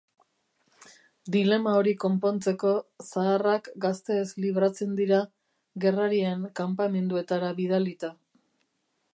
Dilema hori konpontzeko, zaharrak gazteez libratzen dira, gerrarien kanpamenduetara bidalita.